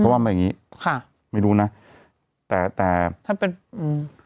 เพราะว่ามันแบบงี้ค่ะไม่รู้นะแต่แต่ถ้าเป็นอืม